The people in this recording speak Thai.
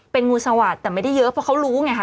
เป็นงูสวัสดิ์แต่ไม่ได้เยอะเพราะเขารู้ไงคะ